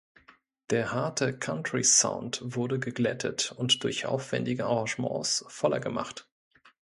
Der harte Country-Sound wurde geglättet und durch aufwändige Arrangements voller gemacht.